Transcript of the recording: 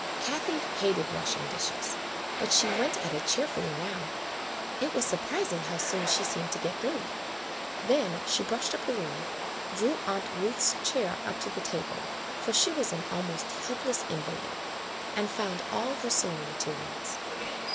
Kathie hated washing dishes, but she went at it cheerfully now. It was surprising how soon she seemed to get through. Then she brushed up the room, drew Aunt Ruth's chair up to the table — for she was an almost help less invalid — and found all her sewing mate rials.